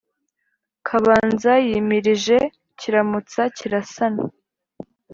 kabanza yimirije kiramutsa kirasana